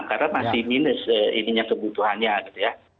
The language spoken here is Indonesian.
karena masih minus ininya kebutuhannya gitu ya